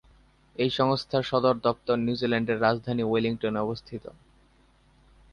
এই সংস্থার সদর দপ্তর নিউজিল্যান্ডের রাজধানী ওয়েলিংটনে অবস্থিত।